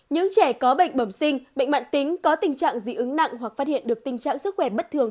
những trẻ có bệnh bẩm sinh bệnh mạng tính có tình trạng dị ứng nặng hoặc phát hiện được tình trạng sức khỏe bất thường